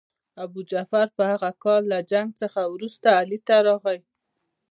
ابوجعفر په هغه کال له جنګ څخه وروسته علي ته راغی.